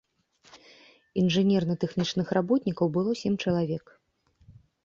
Інжынерна-тэхнічных работнікаў было сем чалавек.